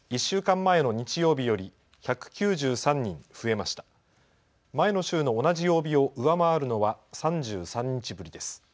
前の週の同じ曜日を上回るのは３３日ぶりです。